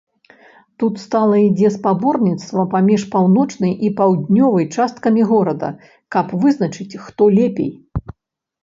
Тут стала ідзе спаборніцтва паміж паўночнай і паўднёвая часткамі горада, каб вызначыць, хто лепей.